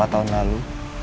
empat tahun lalu